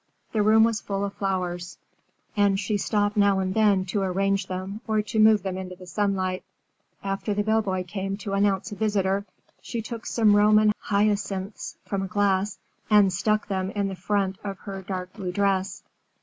The room was full of flowers, and she stopped now and then to arrange them or to move them into the sunlight. After the bellboy came to announce a visitor, she took some Roman hyacinths from a glass and stuck them in the front of her dark blue dress.